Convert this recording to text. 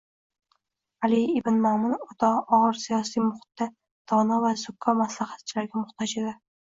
Ali ibn Ma'mun og`ir siyosiy muhitda dono va zukko maslahatchilarga muxtoj edi